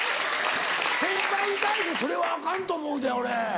先輩に対してそれはアカンと思うで俺。